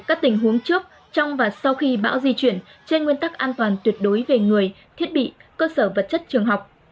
các tình huống trước trong và sau khi bão di chuyển trên nguyên tắc an toàn tuyệt đối về người thiết bị cơ sở vật chất trường học